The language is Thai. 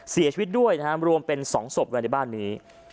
เสียชีวิตด้วยรวมเป็น๒ศพในบ้านนี้